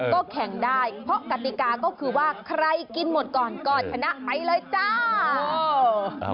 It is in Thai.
ก็แข่งได้เพราะกติกาก็คือว่าใครกินหมดก่อนก็ชนะไปเลยจ้า